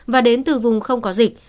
và đến từ vùng không có dịch